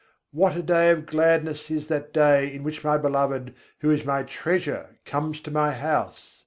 What a day of gladness is that day in which my Beloved, who is my treasure, comes to my house!